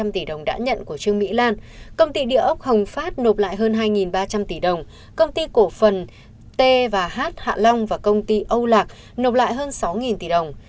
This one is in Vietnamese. năm tỷ đồng đã nhận của trương mỹ lan công ty địa ốc hồng phát nộp lại hơn hai ba trăm linh tỷ đồng công ty cổ phần t và h hạ long và công ty âu lạc nộp lại hơn sáu tỷ đồng